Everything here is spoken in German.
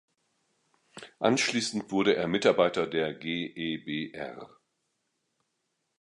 Anschliessend wurde er Mitarbeiter der Gebr.